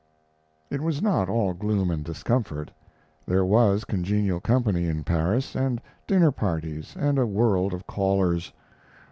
It was not all gloom and discomfort. There was congenial company in Paris, and dinner parties, and a world of callers.